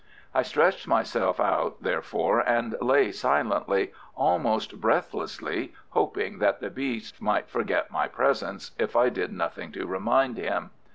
I stretched myself out, therefore, and lay silently, almost breathlessly, hoping that the beast might forget my presence if I did nothing to remind him.